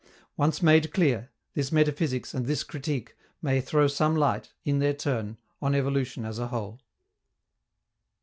Once made clear, this metaphysics and this critique may throw some light, in their turn, on evolution as a whole.